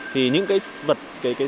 thì những cái vật